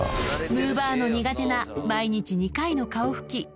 むぅばあの苦手な毎日２回の顔ふき